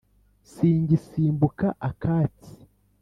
singisimbuka akatsi!